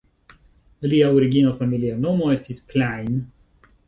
Lia origina familia nomo estis Klein.